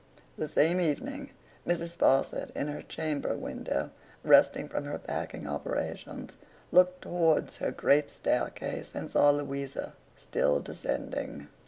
The same evening, Mrs. Sparsit, in her chamber window, resting from her packing operations, looked towards her great staircase and saw Louisa still descending.